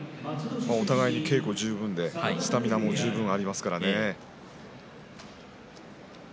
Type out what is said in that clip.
お互いに稽古十分でスタミナも十分ありますからね。